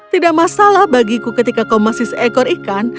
tidak masalah bagiku ketika kau masih seekor ikan